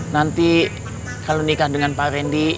nanti kalau nikah dengan pak rendy